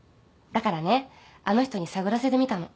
だからねあの人に探らせてみたの。